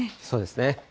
そうですね。